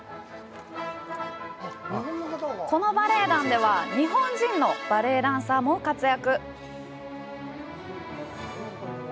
このバレエ団では日本人のバレエダンサーも活躍。